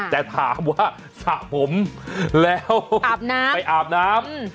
แต่ถามว่าสระผมแล้วไปอาบน้ำ